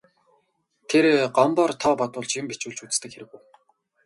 Тэр Гомбоор тоо бодуулж, юм бичүүлж үздэг хэрэг үү.